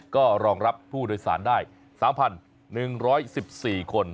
ก็รองรับผู้โดยสารได้๓๑๑๔คน